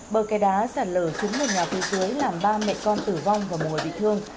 bờ kẻ đá sản lở trúng một nhà phía dưới làm ba mẹ con tử vong và một người bị thương